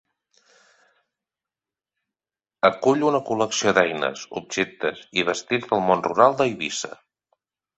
Acull una col·lecció d'eines, objectes i vestits del món rural d'Eivissa.